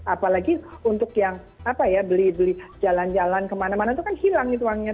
apalagi untuk yang beli jalan jalan kemana mana itu kan hilang itu uangnya